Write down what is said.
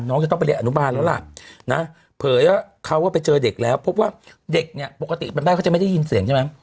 จะต้องไปเรียนอนุบาลแล้วล่ะนะเผยว่าเขาไปเจอเด็กแล้วพบว่าเด็กเนี่ยปกติเป็นแม่เขาจะไม่ได้ยินเสียงใช่ไหม